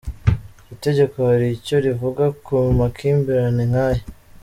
Itegeko hari icyo rivuga ku makimbirane nk’aya